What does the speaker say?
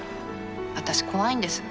私怖いんです。